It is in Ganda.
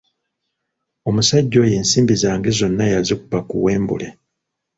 Omusajja oyo ensimbi zange zonna yazikuba ku wembuule.